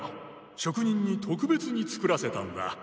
職人に特別に作らせたんだ。